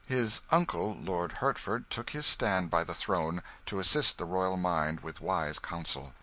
His 'uncle,' Lord Hertford, took his stand by the throne, to assist the royal mind with wise counsel.